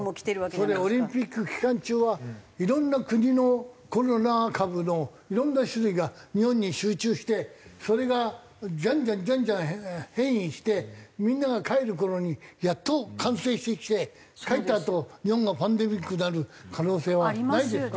それでオリンピック期間中はいろんな国のコロナ株のいろんな種類が日本に集中してそれがジャンジャンジャンジャン変異してみんなが帰る頃にやっと完成してきて帰ったあと日本がパンデミックになる可能性はないですか？